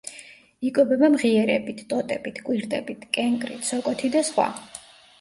იკვებება მღიერებით, ტოტებით, კვირტებით, კენკრით, სოკოთი და სხვა.